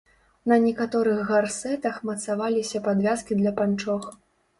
На некаторых гарсэтах мацаваліся падвязкі для панчох.